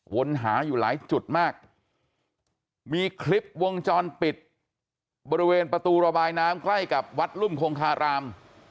หาอยู่หลายจุดมากมีคลิปวงจรปิดบริเวณประตูระบายน้ำใกล้กับวัดรุ่มคงคาราม